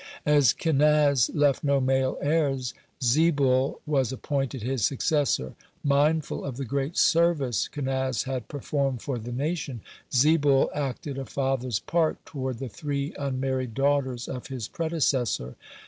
(20) As Kenaz left no male heirs, Zebul was appointed his successor. Mindful of the great service Kenaz had performed for the nation, Zebul acted a father's part toward the three unmarried daughters of his predecessor.